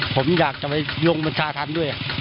ผมอยากจะไปยงบินาทานด้วย